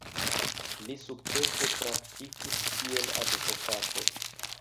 Li sukcese praktikis kiel advokato.